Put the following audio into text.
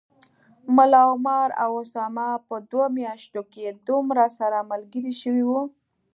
ملا عمر او اسامه په دوو میاشتو کي دومره سره ملګري شوي و